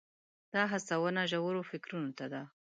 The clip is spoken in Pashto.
دا هڅونه ژورو فکرونو ته ده.